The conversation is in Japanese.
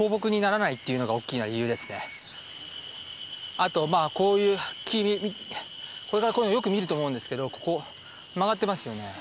あとこういう木これからこういうのよく見ると思うんですけどここ曲がってますよね。